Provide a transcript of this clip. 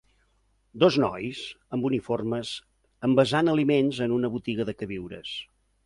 Dos nois amb uniformes envasant aliments en una botiga de queviures.